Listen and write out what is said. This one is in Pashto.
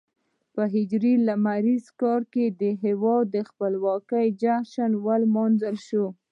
په هجري لمریز کال کې د هېواد د خپلواکۍ جشن ولمانځل شو.